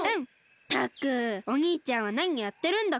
ったくおにいちゃんはなにやってるんだか。